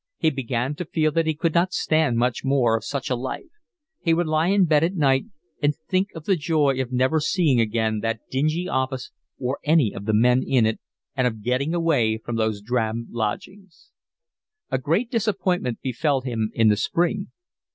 He began to feel that he could not stand much more of such a life. He would lie in bed at night and think of the joy of never seeing again that dingy office or any of the men in it, and of getting away from those drab lodgings. A great disappointment befell him in the spring.